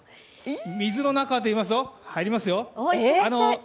水の中はといいますと、入りますよ。